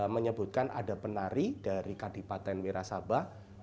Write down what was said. menyebutkan ada penari dari kadipaten mirasabah